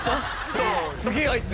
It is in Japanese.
すげぇあいつ。